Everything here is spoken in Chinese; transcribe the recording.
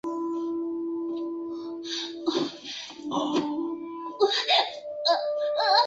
墨西哥城地铁四号线的标志就是一头猛犸。